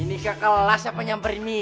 ini ke kelas apa nyamper ini